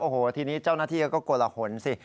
โอ้โฮทีนี้เจ้านาฏีก็กลัวละหนสิ